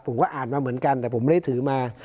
ผมก็อ่านมาเหมือนกันแต่ผมไม่ได้ถือมา